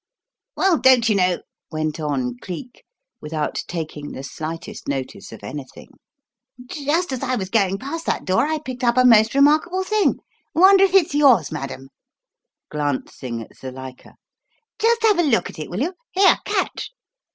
"Well, don't you know," went on Cleek, without taking the slightest notice of anything, "just as I was going past that door I picked up a most remarkable thing. Wonder if it's yours, madam?" glancing at Zuilika. "Just have a look at it, will you? Here, catch!"